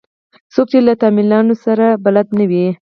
څوک چې له تمایلاتو سره بلد نه وي.